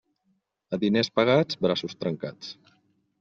A diners pagats, braços trencats.